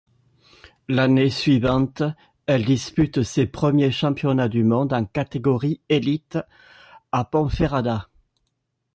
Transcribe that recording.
L'année suivante, elle dispute ses premiers championnats du monde en catégorie élite, à Ponferrada.